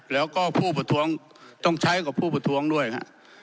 แล้วก็ผู้ประท้วงต้องใช้กับผู้ประท้วงด้วยฮะ